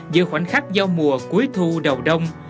giữa khoảnh khắc giao mùa cuối thu đầu đông